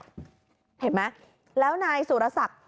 เห็นไหมแล้วนายสุรศักดิ์